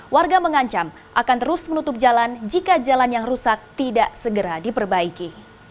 warga mengancam akan terus menutup jalan jika jalan yang rusak tidak segera diperbaiki